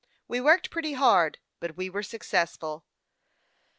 We worked pretty hard, but we were successful."